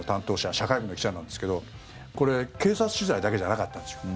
社会部の記者なんですけどこれ、警察取材だけじゃなかったんですよ。